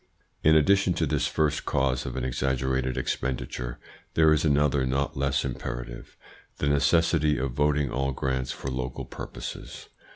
In addition to this first cause of an exaggerated expenditure there is another not less imperative the necessity of voting all grants for local purposes.